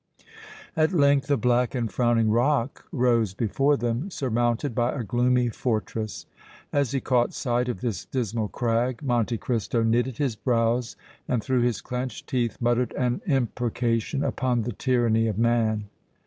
At length a black and frowning rock rose before them, surmounted by a gloomy fortress. As he caught sight of this dismal crag, Monte Cristo knitted his brows and through his clenched teeth muttered an imprecation upon the tyranny of man.